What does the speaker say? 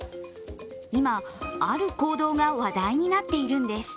今、ある行動が話題になっているんです。